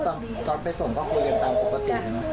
ตอนไปส่งก็คุยกันตามปกติใช่ไหม